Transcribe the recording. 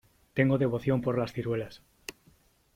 Tengo devoción por las ciruelas.